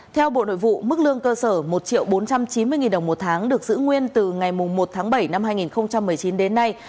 theo bộ nội vụ mức lương cơ sở một bốn trăm chín mươi đồng một tháng được giữ nguyên từ ngày một tháng bảy năm hai nghìn một mươi chín đến nay